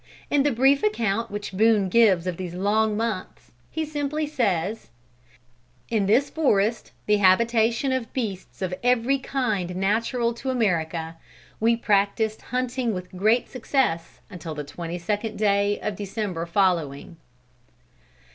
In the brief account which Boone gives of these long months, he simply says: "In this forest, the habitation of beasts of every kind natural to America, we practised hunting with great success until the twenty second day of December following."